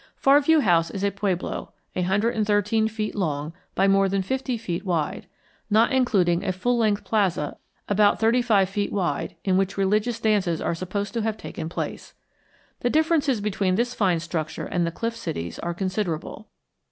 Far View House is a pueblo, a hundred and thirteen feet long by more than fifty feet wide, not including a full length plaza about thirty five feet wide in which religious dances are supposed to have taken place. The differences between this fine structure and the cliff cities are considerable.